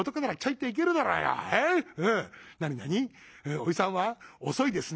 『おじさんは遅いですね』。